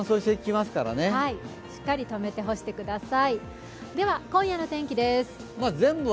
しっかり止めて干してください。